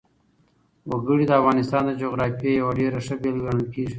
وګړي د افغانستان د جغرافیې یوه ډېره ښه بېلګه ګڼل کېږي.